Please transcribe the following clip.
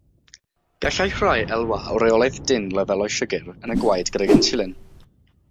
Gallai rhai elwa o reolaeth dynn lefelau siwgr yn y gwaed gydag inswlin.